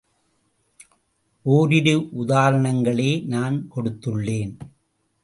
ஓரிரு உதாரணங்களே நான் கொடுத்துள்ளேன்.